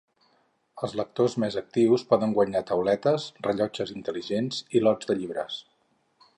Els lectors més actius poden guanyar tauletes, rellotges intel·ligents i lots de llibres.